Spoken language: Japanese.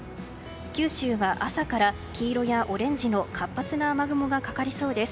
九州は朝から、黄色やオレンジの活発な雨雲がかかりそうです。